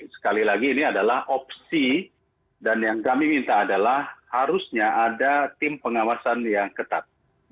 sekali lagi ini adalah opsi dan yang kami minta adalah harusnya ada tim pengawasan yang ketat